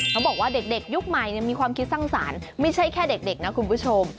เขาบอกว่าเด็กยุคใหม่มีความคิดสร้างสรรค์ไม่ใช่แค่เด็กนะคุณผู้ชม